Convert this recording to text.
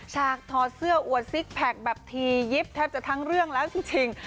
ฉากถอดเสื้ออวดซิกแพคแบบทียิบแทบจะทั้งเรื่องแล้วจริง